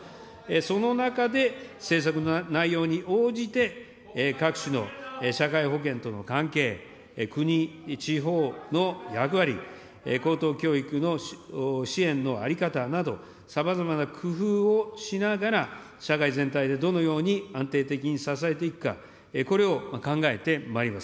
その中で政策の内容に応じて、各種の社会保険との関係、国、地方の役割、高等教育の支援の在り方など、さまざまな工夫をしながら、社会全体でどのように安定的に支えていくか、これを考えてまいります。